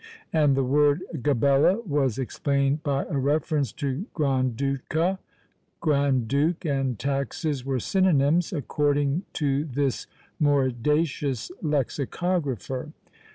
and the word Gabella was explained by a reference to Gran Duca! Grand duke and taxes were synonymes, according to this mordacious lexicographer!